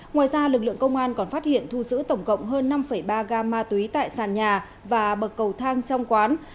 ngoài ra lực lượng công an còn phát hiện thu giữ tổng cộng hơn năm ba gam ma túy tại sàn nhà và bậc cầu thang trong quán